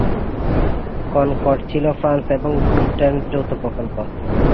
Concord ছিল France এবং ব্রিটেনের যৌথ প্রকল্প।